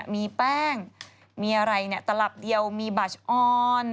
มีแป้งมีอะไรตลับเดียวมีบัชออน